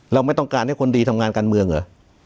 เราไม่ต้องการให้คนดีทำงานการเมืองเหรอ